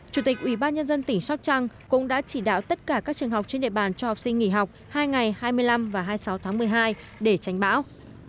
chủ tịch ubnd tỉnh sóc trăng cũng đã chỉ đạo tất cả các trường học trên địa bàn cho học sinh nghỉ học hai ngày hai mươi năm và hai mươi sáu tháng một mươi hai để tránh bão